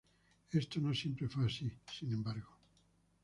Esto no siempre fue así, sin embargo.